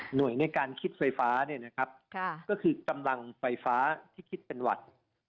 ในการคิดไฟฟ้าเนี่ยนะครับก็คือกำลังไฟฟ้าที่คิดเป็นหวัด